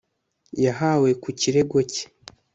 yahawe ku kirego cye